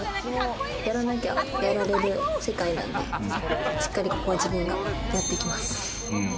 やらなきゃやられる世界なんで、しっかりここは自分がやっていきます。